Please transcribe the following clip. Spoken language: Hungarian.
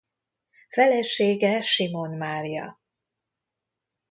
Felesége Simon Mária.